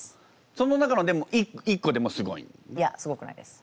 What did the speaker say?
その中のでも１個でもすごい？いやすごくないです。